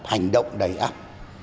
hành động đầy áp